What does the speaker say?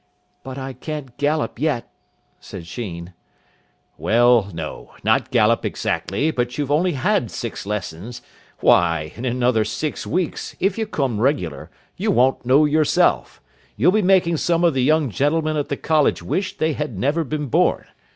"But I can't gallop yet," said Sheen. "Well, no, not gallop exactly, but you've only had six lessons. Why, in another six weeks, if you come regular, you won't know yourself. You'll be making some of the young gentlemen at the college wish they had never been born.